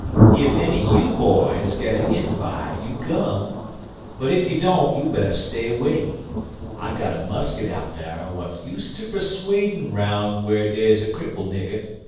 Ef enny you boys git a invite you come, but ef you don't you better stay 'way. I gotter muskit out dar w'at's used ter persidin' 'roun' whar dey's a cripple nigger.